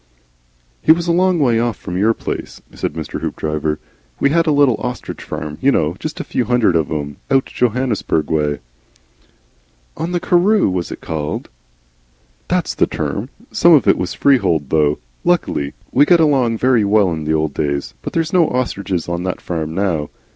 "He was a long way off from our place," said Mr. Hoopdriver. "We had a little ostrich farm, you know Just a few hundred of 'em, out Johannesburg way." "On the Karroo was it called?" "That's the term. Some of it was freehold though. Luckily. We got along very well in the old days. But there's no ostriches on that farm now."